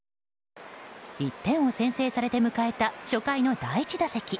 １点を先制されて迎えた初回の第１打席。